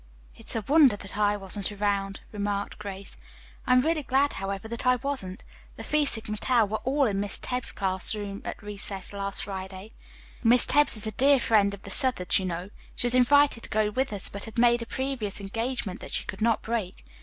"It's a wonder that I wasn't around," remarked Grace. "I am really glad, however, that I wasn't. The Phi Sigma Tau were all in Miss Tebbs' classroom at recess last Friday. Miss Tebbs is a dear friend of the Southards, you know. She was invited to go with us, but had made a previous engagement that she could not break.